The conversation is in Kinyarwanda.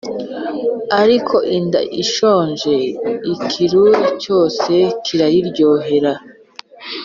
ariko inda ishonje ikirura cyose kirayiryohera